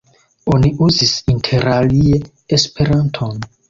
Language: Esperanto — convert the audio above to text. Oni uzis interalie esperanton.